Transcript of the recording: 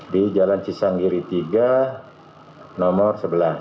di jalan cisanggiri tiga nomor sebelas